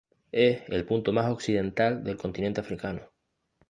Es el punto más occidental del continente africano.